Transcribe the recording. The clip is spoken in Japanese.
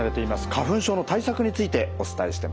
花粉症の対策についてお伝えしてまいりました。